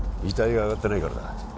遺体があがってないからだ